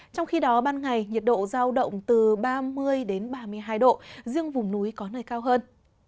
trong khi đó ban ngày nhiệt độ giao động từ ba mươi ba mươi hai độ riêng vùng núi có nơi cao hơn